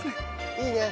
いいね。